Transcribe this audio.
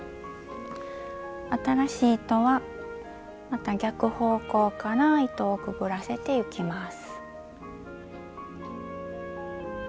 新しい糸はまた逆方向から糸をくぐらせてゆきます。